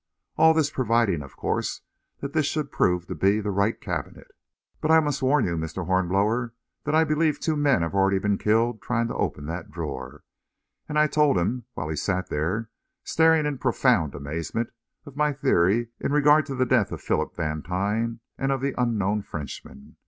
All this providing, of course, that this should prove to be the right cabinet. But I must warn you, Mr. Hornblower, that I believe two men have already been killed trying to open that drawer," and I told him, while he sat there staring in profound amazement, of my theory in regard to the death of Philip Vantine and of the unknown Frenchman.